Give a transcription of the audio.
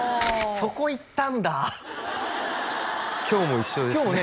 そこいったんだ今日も一緒です